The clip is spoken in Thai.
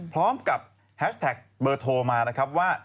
พร้อมกับแฮชแท็กเบอร์โทรมานะครับว่า